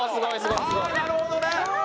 ああなるほどね！